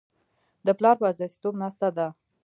د پلار په استازیتوب ناسته ده.